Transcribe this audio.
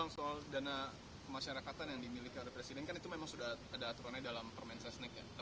soal dana masyarakatan yang dimiliki